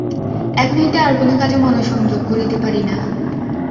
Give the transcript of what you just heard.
এখন হইতে আর কোনো কাজে মনঃসংযোগ করিতে পারি না।